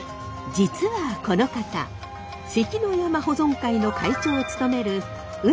実はこの方関の山車保存会の会長を務める浦野明博さん。